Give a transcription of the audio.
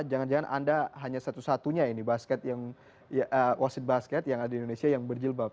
jangan jangan anda hanya satu satunya ini wasit basket yang ada di indonesia yang berjilbab